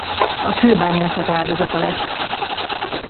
A kőbányászat áldozata lett.